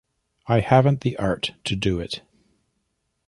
I haven't the art to do it.